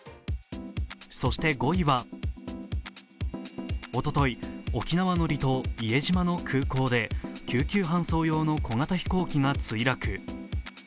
そして５位は、おととい、沖縄の離島伊江島の空港で救急搬送用の小型飛行機が墜落。